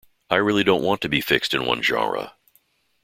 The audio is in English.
I really don't want to be fixed in one genre.